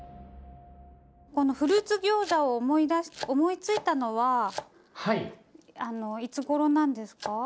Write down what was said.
このフルーツギョーザを思いついたのはいつごろなんですか？